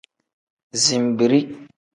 Zinbiri.